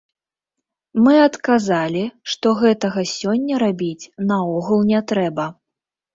Мы адказалі, што гэтага сёння рабіць наогул не трэба.